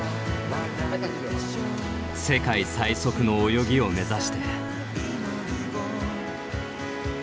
世界最速の泳ぎを目指して。